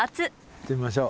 行ってみましょう。